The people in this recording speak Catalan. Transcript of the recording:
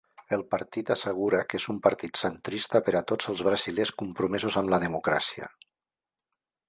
El partit assegura que és un partit centrista per a tots els brasilers compromesos amb la democràcia.